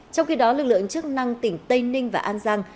trong khi đó lực lượng chức năng tỉnh tây ninh và an giang